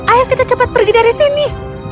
ayo kita cepat pergi dari sini